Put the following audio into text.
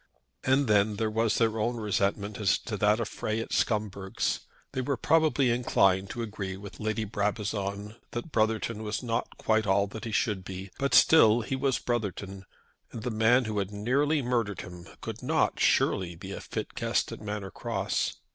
And then there was their own resentment as to that affray at Scumberg's. They were probably inclined to agree with Lady Brabazon that Brotherton was not quite all that he should be; but still he was Brotherton, and the man who had nearly murdered him could not surely be a fit guest at Manor Cross.